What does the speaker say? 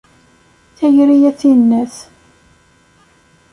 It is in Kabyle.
Tayri a tinnat.